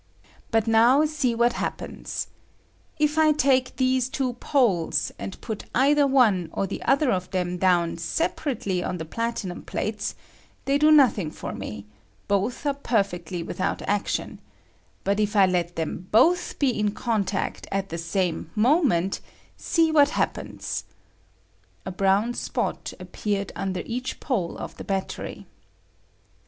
But now see what hap pens: if I take these two poles and put either one or the other of them down separately on & r L 98 VOLTAIC DECOMPOSITION, the platinum plates, they do nothing for me ; both are perfectly without action ; but if I let them both be in contact at the same moment, see what happens [a brown spot appeared under each pole of the battery].